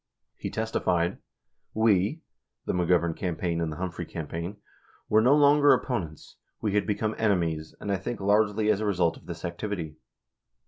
He testified : We [the McGovern campaign and the Humphrey cam paign] were no longer opponents; we had become enemies, and I think largely as a result of this activity.